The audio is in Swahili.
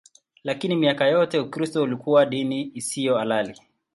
Lakini miaka yote Ukristo ulikuwa dini isiyo halali.